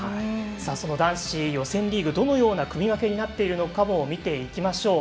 その男子予選リーグどのような組み分けになっているか見ていきましょう。